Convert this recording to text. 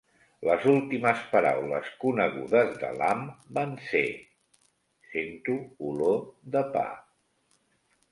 Les últimes paraules conegudes de Lamb van ser: "Sento olor de pa".